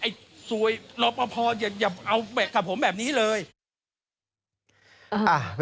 สวยรอปภอย่าเอากับผมแบบนี้เลย